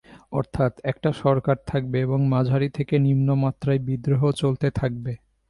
অর্থাৎ, একটা সরকার থাকবে এবং মাঝারি থেকে নিম্ন মাত্রায় বিদ্রোহ চলতে থাকবে।